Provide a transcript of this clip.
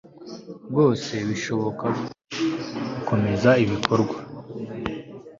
bwose bushoboka bwo gukomeza ibikorwa